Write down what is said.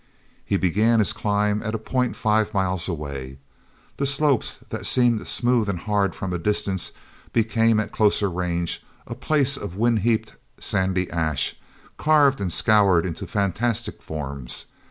e began his climb at a point five miles away. The slopes that seemed smooth and hard from a distance became, at closer range, a place of wind heaped, sandy ash, carved and scoured into fantastic forms.